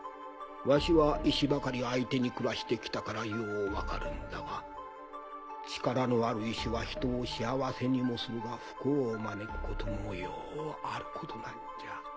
わしは石ばかり相手に暮らして来たからよう分かるんだが力のある石は人を幸せにもするが不幸を招くこともようあることなんじゃ。